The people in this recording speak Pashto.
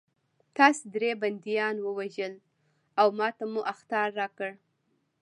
تاسې درې بندیان ووژل او ماته مو اخطار راکړ